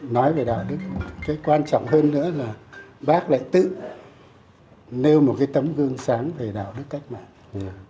nói về đạo đức cái quan trọng hơn nữa là bác lại tự nêu một cái tấm gương sáng về đạo đức cách mạng